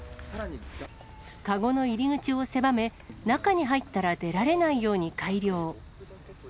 籠の入り口を狭め、中に入ったら出られないように改良。